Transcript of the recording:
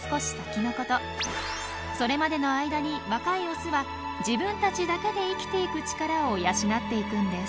それまでの間に若いオスは自分たちだけで生きてゆく力を養っていくんです。